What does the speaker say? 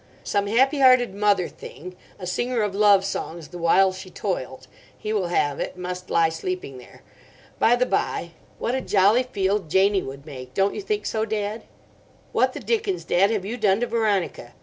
'Some happy hearted Mother Thing—a singer of love songs the while she toiled,' he will have it, must lie sleeping there. By the bye, what a jolly field Janie would make! Don't you think so, Dad? "What the dickens, Dad, have you done to Veronica?